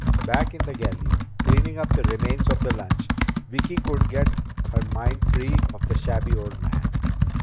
Back in the galley, cleaning up the remains of the lunch, Vicki couldn't get her mind free of the shabby old man.